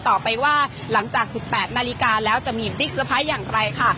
ต่อไปว่าหลังจาก๑๘นาฬิกาแล้วจะมีบิ๊กเซอร์ไพรส์อย่างไรค่ะ